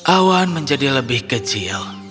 awan menjadi lebih kecil